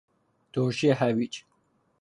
ترشی هویج